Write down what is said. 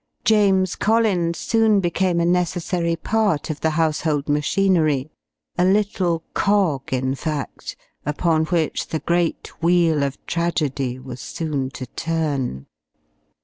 James Collins soon became a necessary part of the household machinery, a little cog in fact upon which the great wheel of tragedy was soon to turn.